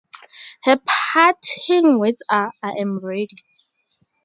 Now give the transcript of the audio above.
Her parting words are, I am ready.